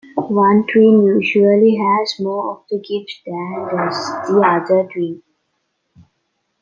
One twin usually has more of the gifts than does the other twin.